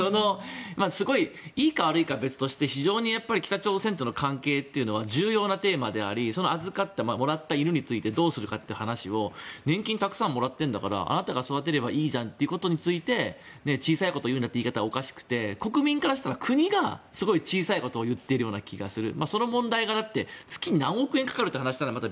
すごいいいか悪いかは別として非常に北朝鮮との関係というのは重要なテーマであり預かった、もらった犬についてどうするかという話を年金をたくさんもらっているんだからあなたが育てればいいじゃんということについて小さいことを言うなっていう言い方はおかしくて国民からしたら国がすごい小さいことを言っているような気がするその問題が月に何億円かかるという話ならまた